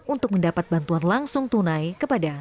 untuk mendapat bantuan langsung tunai kepada